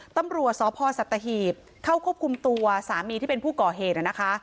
ตำรวจสพสัตหีบเข้าควบคุมตัวสามีที่เป็นผู้ก่อเหตุนะคะ